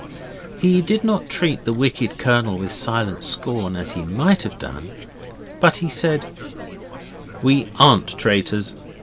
He did not treat the wicked Colonel with silent scorn as he might have done, but he said 'We aren't traitors.